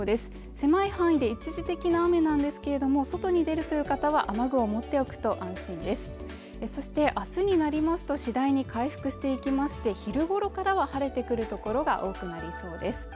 狭い範囲で一時的な雨なんですけれども外に出るという方は雨具を持っておくと安心ですそして明日になりますと次第に回復していきまして昼ごろからは晴れてくる所が多くなりそうです